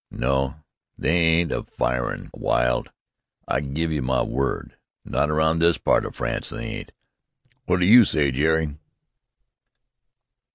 No, they ain't a firin' wild, I give you my word! Not around this part o' France they ain't! Wot do you s'y, Jerry?"